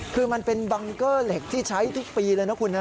คือมันเป็นบังเกอร์เหล็กที่ใช้ทุกปีเลยนะคุณนะ